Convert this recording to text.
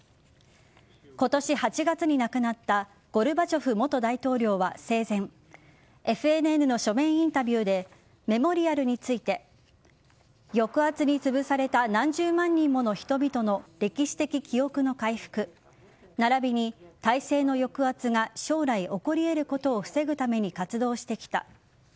今年８月に亡くなったゴルバチョフ元大統領は生前ＦＮＮの書面インタビューでメモリアルについて抑圧につぶされた何十万人もの人々の歴史的記憶の回復並びに体制の抑圧が将来、起こり得ることを防ぐために活動してきた。